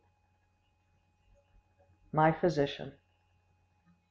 My Physician.